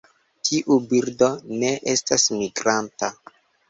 Tiu birdo ne estas migranta.